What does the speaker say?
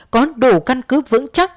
có đủ căn cứ vững chắc